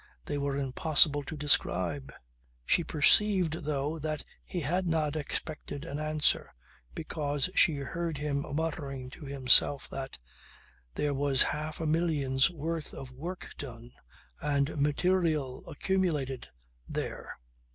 They were impossible to describe. She perceived though that he had not expected an answer, because she heard him muttering to himself that: "There was half a million's worth of work done and material accumulated there."